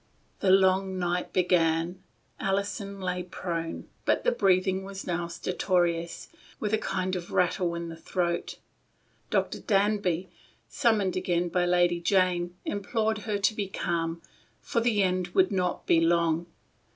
The long night began. Alison still lay prone, but the breathing was now stertorous, with a kind of rattle in the throat. Dr. Danby, summoned again by Lady Jane, implored her to be calm, for the end could not be long.